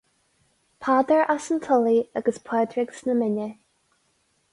Peadar as an Tulaigh agus Pádraig sna Mine.